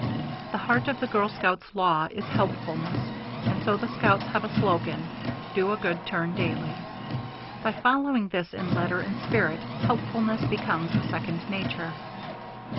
The heart of the girl scouts' laws is helpfulness, and so the scouts have a slogan: "Do a good turn daily." By following this in letter and spirit, helpfulness becomes second nature.